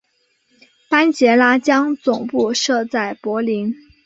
班杰拉将总部设在柏林。